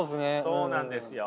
そうなんですよ。